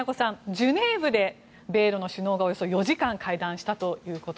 ジュネーブで両首脳がおよそ４時間会談したということ